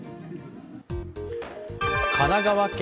神奈川県